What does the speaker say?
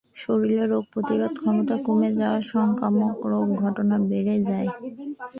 শরীরে রোগ প্রতিরোধ ক্ষমতা কমে যাওয়ায় সংক্রামক রোগের ঘটনা বেড়ে যায়।